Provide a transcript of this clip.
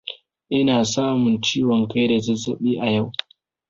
Ina samun ciwon kai da zazzaɓi a yau